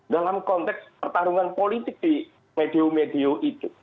dalam konteks pertarungan politik di medium medio itu